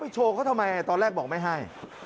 โชว์เขาทำไมตอนแรกบอกไม่ให้